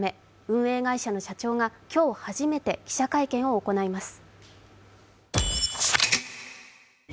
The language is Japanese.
運営会社の社長が今日初めて記者会見を行います。